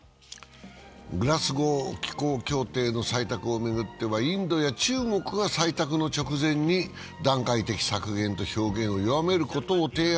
グラスゴー気候協定の採択を巡ってはインドや中国が採択の直前に段階的削減と表現を弱めることを提案。